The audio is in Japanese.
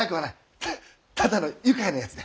フッただの愉快なやつで。